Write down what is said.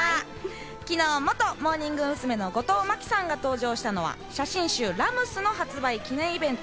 昨日、元モーニング娘の後藤真希さんが登場したのは写真集『ｒａｍｕｓ』の発売記念イベント。